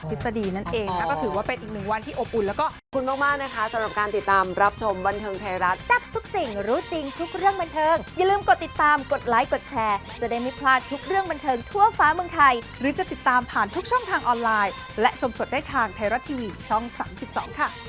พิศดีนั่นเองถือว่าเป็นอีกหนึ่งวันที่อบอุ่นแล้วก็